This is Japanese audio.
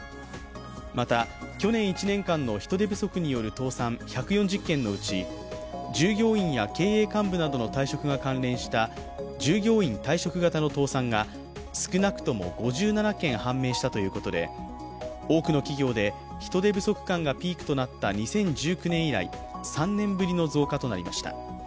また、去年１年間の人手不足による倒産１４０件のうち従業員や経営幹部などの退職が関連した従業員退職型の倒産が少なくとも５７件判明したということで多くの企業で人手不足感がピークとなった２０１９年以来、３年ぶりの増加となりました。